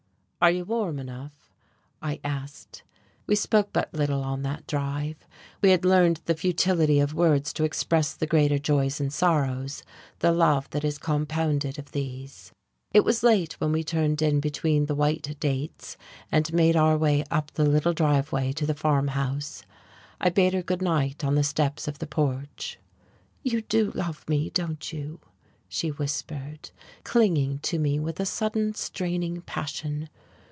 "Are you warm enough?" I asked.... We spoke but little on that drive, we had learned the futility of words to express the greater joys and sorrows, the love that is compounded of these. It was late when we turned in between the white dates and made our way up the little driveway to the farmhouse. I bade her good night on the steps of the porch. "You do love me, don't you?" she whispered, clinging to me with a sudden, straining passion.